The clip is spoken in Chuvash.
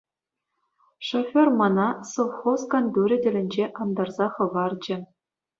Шофер мана совхоз кантурӗ тӗлӗнче антарса хӑварчӗ.